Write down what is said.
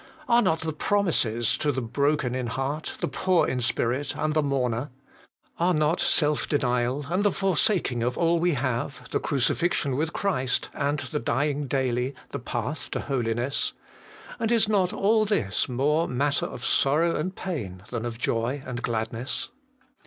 Are not the promises to the broken in heart, the poor in spirit, and the mourner ? Are not self denial and the forsaking of all we have, the crucifixion with Christ and the dying daily, the path to holiness ? and is not all this more matter of sorrow and pain than of joy and gladness